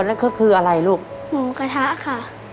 นั่นก็คืออะไรลูกหมูกระทะค่ะ